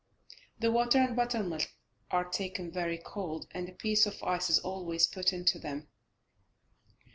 The water and buttermilk are taken very cold, and a piece of ice is always put into them.